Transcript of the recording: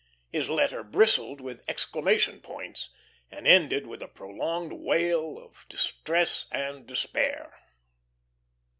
His letter bristled with exclamation points, and ended with a prolonged wail of distress and despair.